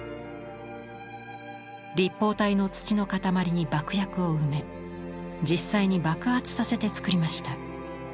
立方体の土の塊に爆薬を埋め実際に爆発させて作りました。